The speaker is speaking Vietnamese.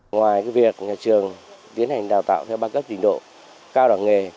ngoài việc nhà trường tiến hành đào tạo theo ba cấp trình độ cao đẳng nghề